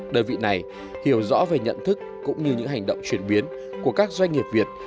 đơn vị này hiểu rõ về nhận thức cũng như những hành động chuyển biến của các doanh nghiệp việt